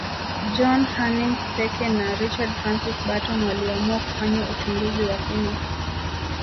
John Hanning Speke na Richard Francis Burton waliamua kufanya uchunguzi wa kina